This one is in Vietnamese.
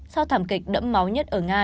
sau thảm kịch đẫm máu nhất ở nga